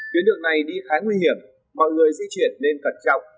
tuyến đường này đi khá nguy hiểm mọi người di chuyển nên cẩn trọng